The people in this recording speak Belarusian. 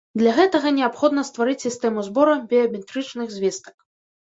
Для гэтага неабходна стварыць сістэму збору біяметрычных звестак.